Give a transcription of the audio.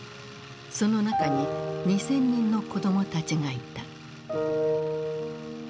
その中に２，０００人の子供たちがいた。